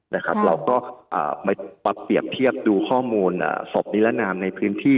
เราก็มาเปรียบเทียบดูข้อมูลศพนิรนามในพื้นที่